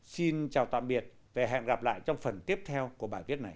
xin chào tạm biệt và hẹn gặp lại trong phần tiếp theo của bài viết này